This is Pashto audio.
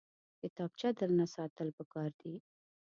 کتابچه درنه ساتل پکار دي